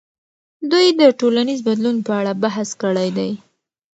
دوی د ټولنیز بدلون په اړه بحث کړی دی.